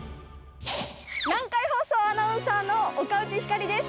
南海放送アナウンサーの、岡内ひかりです。